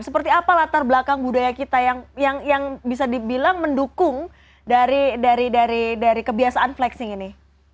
seperti apa latar belakang budaya kita yang bisa dibilang mendukung dari kebiasaan flexing ini